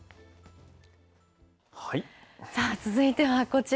さあ、続いてはこちら。